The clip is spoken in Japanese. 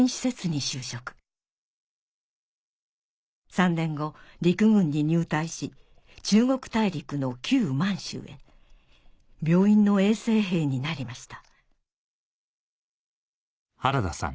３年後陸軍に入隊し中国大陸の満州へ病院の衛生兵になりました